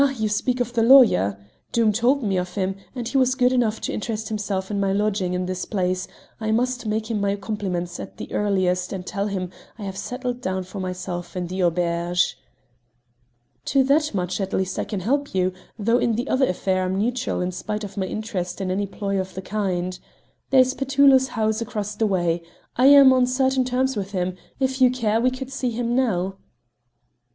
you speak of the lawyer: Doom told me of him, and as he was good enough to interest himself in my lodging in this place, I must make him my compliments at the earliest and tell him I have settled down for myself in the auberge." "To that much at least I can help you, though in the other affair I'm neutral in spite of my interest in any ploy of the kind. There's Petullo's house across the way; I'm on certain terms with him; if you care, we could see him now."